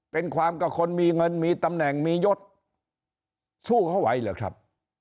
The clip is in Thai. เป็นความกับคนมีเงินมีตำแหน่งมียศสู้เขาไหวเหรอครับ